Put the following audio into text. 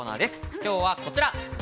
今日はこちら。